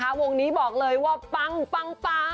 เพราะวงนี้บอกเลยว่าปั๊งปั๊งปั๊ง